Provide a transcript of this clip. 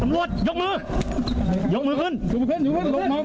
ลงไปลองหมอบนั่ง